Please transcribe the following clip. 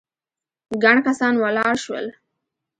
ګڼ کسان ولاړ شول.